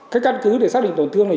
cái căn cứ để xác định tổn thương này